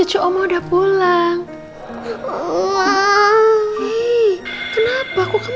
jangan lupa berdoa